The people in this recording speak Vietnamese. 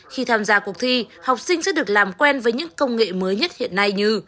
khi tham gia cuộc thi học sinh sẽ được làm quen với những công nghệ mới nhất hiện nay như